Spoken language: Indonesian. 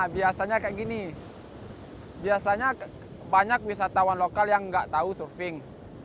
biasanya kayak gini biasanya banyak wisatawan lokal yang nggak tahu surfing